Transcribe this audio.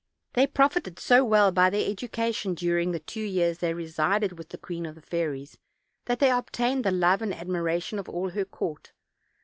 They profited so well by their education during the two years they resided with the queen of the fairies, that they obtained the love and admiration of all her court.